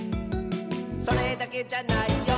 「それだけじゃないよ」